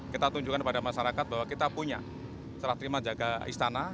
kita tunjukkan kepada masyarakat bahwa kita punya serah terima jaga istana